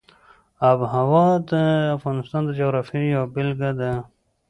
آب وهوا د افغانستان د جغرافیې یوه بېلګه ده.